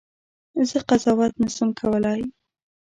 زه قضاوت نه سم کولای.